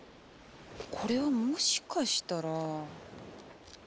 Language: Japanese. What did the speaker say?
これはもしかしたら。